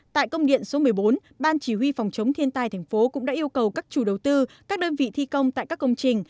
tại công điện số một mươi bốn ban chỉ huy phòng chống thiên tai thành phố cũng đã yêu cầu các chủ đầu tư các đơn vị thi công tại các công trình